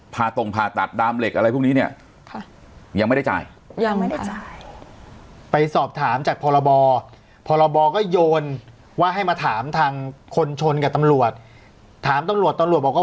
ผ่าตรงผ่าตัดดามเหล็กอะไรพวกนี้เนี่ยยังไม่ได้จ่าย